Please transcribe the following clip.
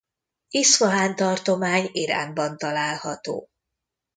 Iszfahán tartomány Iránban található.